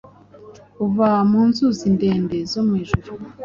Kuva mu nzuzi ndende zo mwijuru.